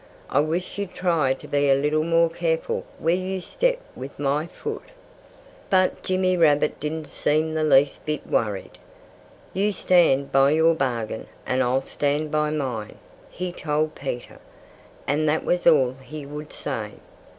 I wish you'd try to be a little more careful where you step with my foot." But Jimmy Rabbit didn't seem the least bit worried. "You stand by your bargain, and I'll stand by mine," he told Peter. And that was all he would say.